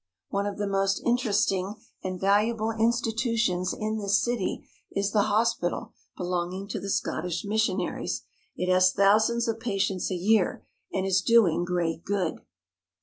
One of the most in teresting and valuable institutions in this city is the hospital belonging to the Scottish missionaries. It has thousands of patients a year and is doing great good.